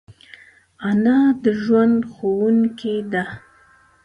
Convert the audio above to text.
انا د ژوند ښوونکی ده